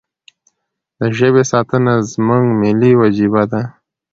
د ژبې ساتنه زموږ ملي وجیبه ده.